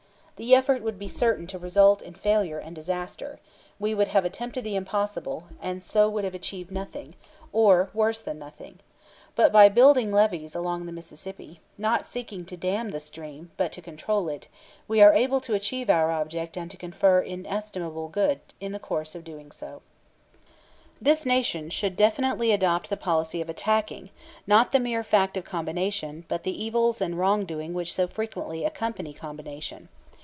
The effort would be certain to result in failure and disaster; we would have attempted the impossible, and so would have achieved nothing, or worse than nothing. But by building levees along the Mississippi, not seeking to dam the stream, but to control it, we are able to achieve our object and to confer inestimable good in the course of so doing. This Nation should definitely adopt the policy of attacking, not the mere fact of combination, but the evils and wrong doing which so frequently accompany combination.